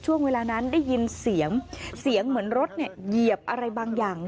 ช่วงเวลานั้นได้ยินเสียงเสียงเหมือนรถเหยียบอะไรบางอย่าง